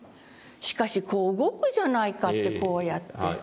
「しかしこう動くじゃないか」ってこうやって。